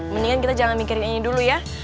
mendingan kita jangan mikirin ini dulu ya